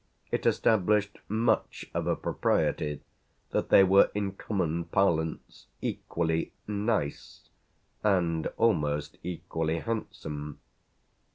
It established much of a propriety that they were in common parlance equally "nice" and almost equally handsome.